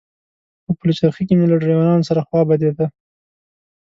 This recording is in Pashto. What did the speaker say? په پلچرخي کې مې له ډریورانو سره خوا بدېده.